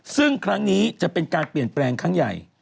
ซึ่งครั้งนี้จะเป็นการเปลี่ยนแปลงครั้งใหญ่